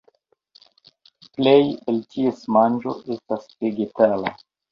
Plej el ties manĝo estas vegetala.